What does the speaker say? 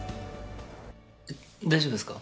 大丈夫ですか？